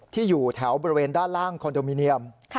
ที่อยู่แถวบริเวณด้านล่างคอนโดมิเนียม